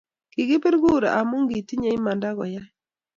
Kikipir kura ngamun kitinye imanda kuyai